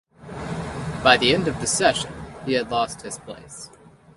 By the end of the season he had lost his place.